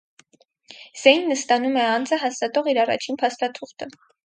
Զեյնն ստանում է անձը հաստատող իր առաջին փաստաթուղթը։